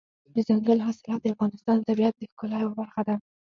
دځنګل حاصلات د افغانستان د طبیعت د ښکلا یوه برخه ده.